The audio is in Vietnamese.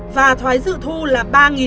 và thoái dự thu là